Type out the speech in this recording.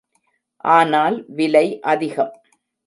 ஆனால் விலை அதிகம்.